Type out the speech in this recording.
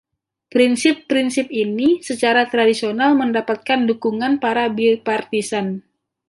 Prinsip-prisip ini secara tradisional mendapatkan dukungan para bipartisan.